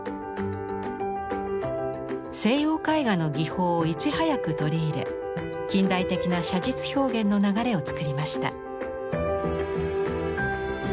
西洋絵画の技法をいち早く取り入れ近代的な写実表現の流れを作りました。